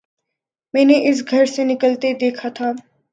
میں نے اسے گھر سے نکلتے دیکھا تھا